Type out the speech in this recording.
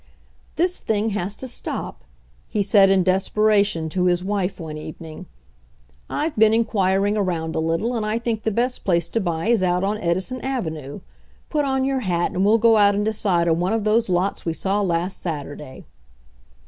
"This thing has to stop," he said in despera tion to his wife one evening. "I've been inquir ing around a little, and I think the best place to buy is out on Edison avenue. Put on your hat and we'll go out and decide on one of those lots we saw last Saturday."